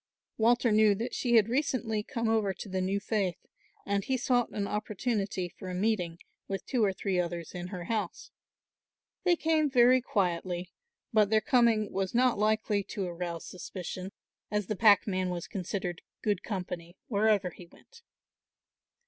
Walter knew that she had recently come over to the new faith and he sought an opportunity for a meeting with two or three others in her house. They came very quietly, but their coming was not likely to arouse suspicion, as the packman was considered good company wherever he went.